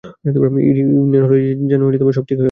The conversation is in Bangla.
ইউনিয়ন হলেই যেন সব ঠিক হয়ে যাবে।